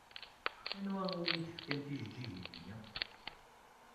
Anwa umi tefkam tijeǧǧigin-nni?